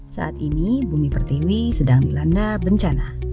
saat ini bumi pertiwi sedang dilanda bencana